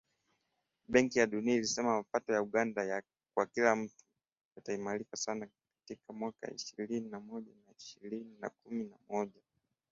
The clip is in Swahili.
Benki ya Dunia ilisema mapato ya Uganda kwa kila mtu yaliimarika sana kati ya mwaka ishirini na moja na ishirini na kumi na moja